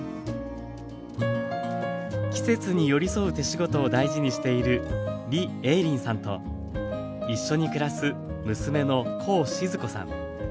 季節に寄り添う手仕事を大事にしている李映林さんと一緒に暮らす娘のコウ静子さん。